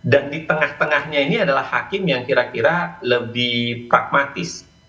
dan di tengah tengahnya ini adalah hakim yang kira kira lebih pragmatis